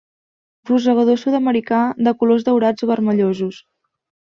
Rosegador sud-americà de colors daurats o vermellosos.